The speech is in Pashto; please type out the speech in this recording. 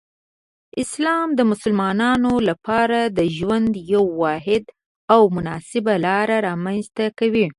اسلام د مسلمانانو لپاره د ژوند یو واحد او مناسب لار رامنځته کوي.